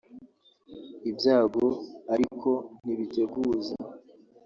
Ibyago ariko ntibiteguza